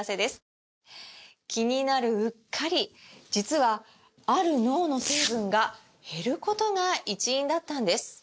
気になるうっかり実はある脳の成分が減ることが一因だったんです